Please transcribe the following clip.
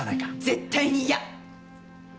絶対に嫌！